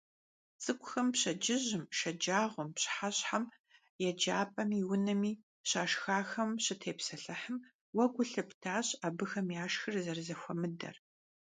ЦӀыкӀухэм пщэдджыжьым, шэджагъуэм, пщыхьэщхьэм еджапӀэми унэми щашхахэм щытепсэлъыхьым, уэ гу лъыптащ, абыхэм яшхыр зэрызэхуэмыдэм.